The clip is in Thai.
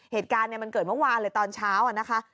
เหตุการณ์มันเกิดเมื่อวานเลยตอนเช้านะคะ